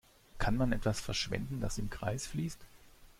Kann man etwas verschwenden, das im Kreis fließt?